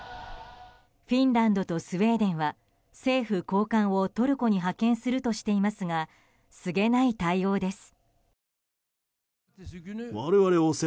フィンランドとスウェーデンは政府高官をトルコに派遣するとしていますがすげない対応です。